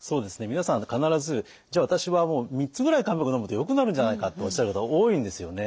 皆さん必ず「じゃあ私はもう３つぐらい漢方薬のむとよくなるんじゃないか」とおっしゃる方多いんですよね。